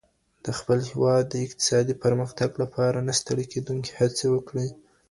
د خپل هېواد د اقتصادي پرمختګ لپاره نه ستړې کېدونکې هڅي وکړئ.